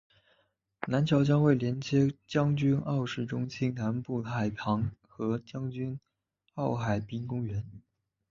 南桥将会连接将军澳市中心南部海旁和将军澳海滨公园。